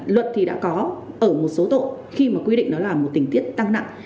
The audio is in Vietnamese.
luật thì đã có ở một số tội khi mà quy định đó là một tình tiết tăng nặng